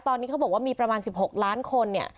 ตอนนี้เขาบอกว่ามีประมาณ๑๖ล้านคนเนี่ย